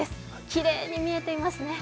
きれいに見えていますね。